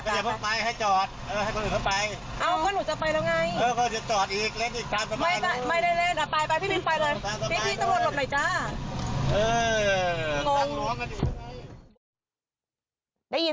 ได้ยินไหมเสียงปลาย